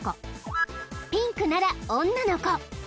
［ピンクなら女の子］